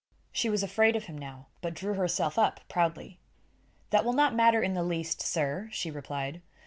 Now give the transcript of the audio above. She was afraid of him now, but drew herself up proudly. "That will not matter in the least, sir," she replied.